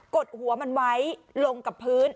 ดหัวมันไว้ลงกับพื้น